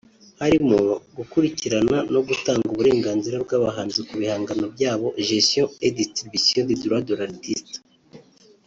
harimo gukurikirana no gutanga uburenganzira bw’abahanzi ku bihangano byabo (Gestionet distribution des droits de l’artiste)